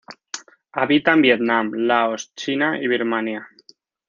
Habita en Vietnam, Laos, China y Birmania.